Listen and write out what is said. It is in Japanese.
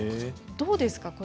どうですか？